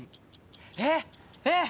えっ？えっ？